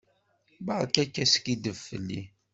Beṛkat askiddeb fell-i.